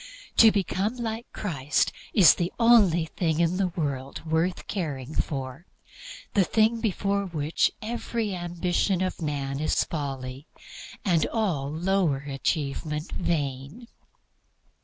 To become LIKE CHRIST is the only thing in the world worth caring for, the thing before which every ambition of man is folly, and all lower achievement vain.